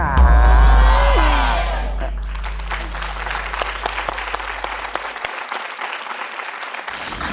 แน่นปาก